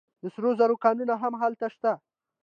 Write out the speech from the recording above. د سرو زرو کانونه هم هلته شته.